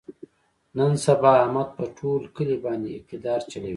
نن سبا احمد په ټول کلي باندې اقتدار چلوي.